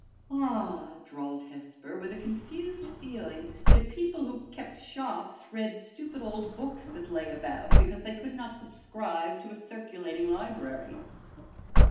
"Ah!" drawled Hesper, with a confused feeling that people who kept shops read stupid old books that lay about, because they could not subscribe to a circulating library.